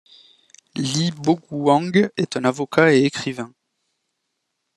Li Boguang est un avocat et écrivain.